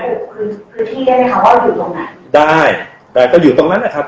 พื้นที่ได้ไหมคะว่าเราอยู่ตรงไหนได้แต่ก็อยู่ตรงนั้นแหละครับ